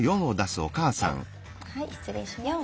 はい失礼します。